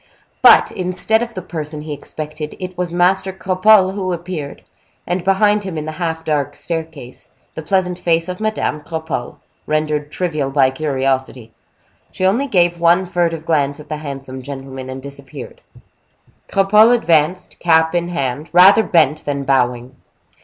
But, instead of the person he expected, it was Master Cropole who appeared, and behind him, in the half dark staircase, the pleasant face of Madame Cropole, rendered trivial by curiosity. She only gave one furtive glance at the handsome gentleman, and disappeared. Cropole advanced, cap in hand, rather bent than bowing.